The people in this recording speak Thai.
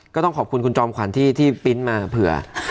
ก็ต้องขอบคุณคุณจอมขวัญที่ปริ้นต์มาเผื่อ